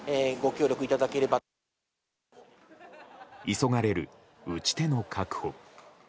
急がれる打ち手の確保。